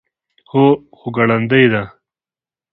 هو، خو ګړندۍ ده